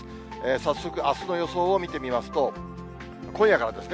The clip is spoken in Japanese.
早速、あすの予想を見てみますと、今夜からですね。